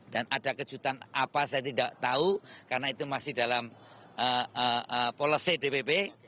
dan ada kejutan apa saya tidak tahu karena itu masih dalam polos cdpb